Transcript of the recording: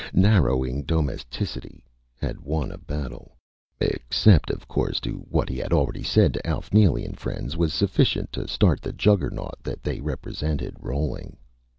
Narrowing domesticity had won a battle. Except, of course, that what he had already said to Alf Neely and Friends was sufficient to start the Juggernaut that they represented, rolling.